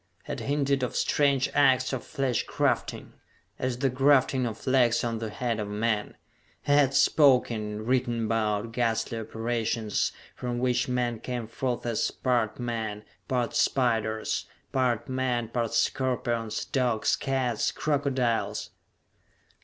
Had hinted of strange acts of flesh grafting as the grafting of legs on the head of man. He had spoken, and written about, ghastly operations, from which men came forth as part men, part spiders; part men, part scorpions, dogs, cats, crocodiles....